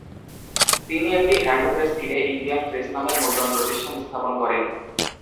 তিনি একটি hand press কিনে "ইন্ডিয়ান প্রেস" নামের মুদ্রণপ্রতিষ্ঠান স্থাপন করেন।